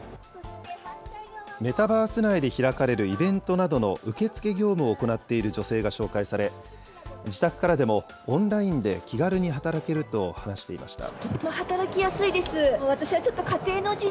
メタバース内で開かれるイベントなどの受け付け業務を行っている女性が紹介され、自宅からでもオンラインで気軽に働けると話していました。